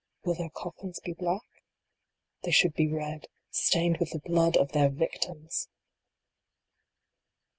Will their coffins be black ? They should be red stained with the blood of their victims